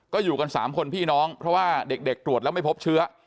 ก็อยู่กัน๓คนพี่น้องเพราะว่าเด็กตรวจแล้วไม่พบเชื้อ